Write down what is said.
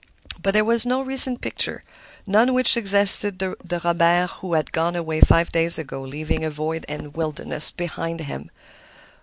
But there was no recent picture, none which suggested the Robert who had gone away five days ago, leaving a void and wilderness behind him.